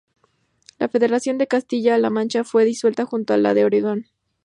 La federación de Castilla-La Mancha fue disuelta, junto a la de Aragón.